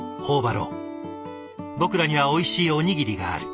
僕らにはおいしいおにぎりがある。